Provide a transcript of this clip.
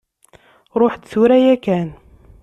Ṛuḥ-d tura yakkan!